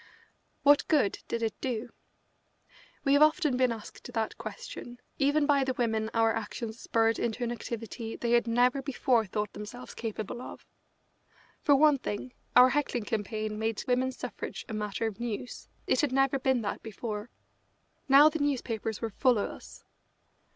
What good did it do? We have often been asked that question, even by the women our actions spurred into an activity they had never before thought themselves capable of. For one thing, our heckling campaign made women's suffrage a matter of news it had never been that before. Now the newspapers were full of us.